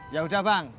ya udah bang